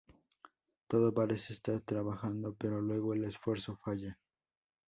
Todo parece estar trabajando, pero luego el esfuerzo falla.